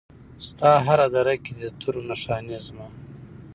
ستا هره دره کې دي د تورو نښانې زما